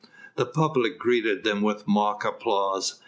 The public greeted them with mock applause.